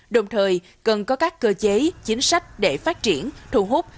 đồng thời cần có các cơ chế chính sách để phát triển thu hút